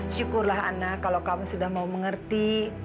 syukurlah anak kalau kami sudah mau mengerti